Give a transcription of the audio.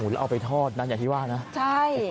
แล้วเอาไปทอดนั้นอย่างที่ว่าน่ะ